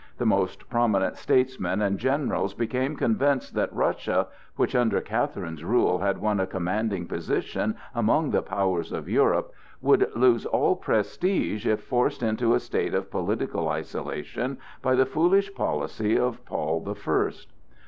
The most prominent statesmen and generals became convinced that Russia, which under Catherine's rule had won a commanding position among the powers of Europe, would lose all prestige if forced into a state of political isolation by the foolish policy of Paul the First.